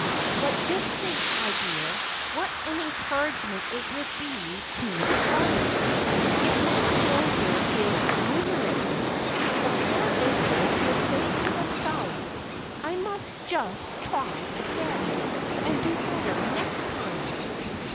But just think, my dear, what an encouragement it would be to the artists! 'If my failure is remunerative,' the poor beggars would say to themselves, 'I must just try again, and do better next time.'"